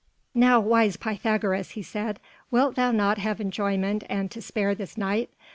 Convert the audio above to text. "Now, wise Pythagoras," he said, "wilt thou not have enjoyment and to spare this night?